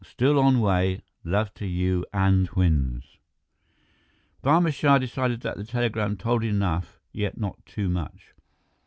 STILL ON WAY. LOVE TO YOU AND TWINS. Barma Shah decided that the telegram told enough, yet not too much.